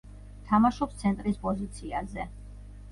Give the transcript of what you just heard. თამაშობს ცენტრის პოზიციაზე.